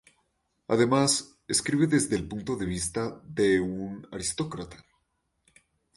Además, escribe desde el punto de vista de un aristócrata.